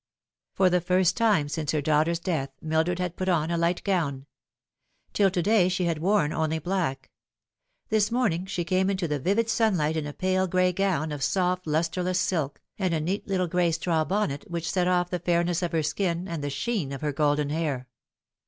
For the first time since her daughter's death Mildred had put on a light gown. Till to day she had worn only black. This morning she came into the vivid sunlight in a pale gray gown of soft lustreless silk, and a neat little gray straw bonnet, which set off the f airness of her skin and the sheen of her golden hair.